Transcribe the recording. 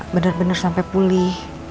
bener bener sampai pulih